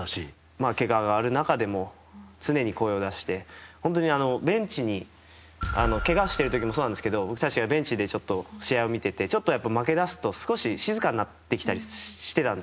まあ、けががある中でも常に声を出してけがしてる時もそうなんですけど僕たちがベンチで試合を見てて試合に負け出すと、静かになってきてたりしてたんですよ。